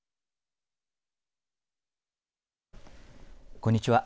こんにちは。